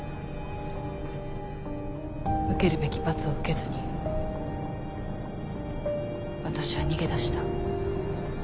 受けるべき罰を受けずに私は逃げ出した。